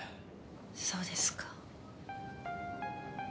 そうですか。